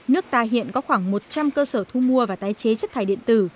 nước ta hiện có khoảng một trăm linh cơ sở thu mua và tái chế chất thải điện tử